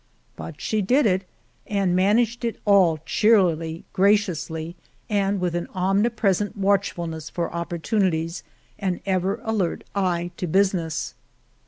But she did it, and managed it all cheerily, graciously, with an omnipresent watchfulness for opportunities, an ever alert eye to business.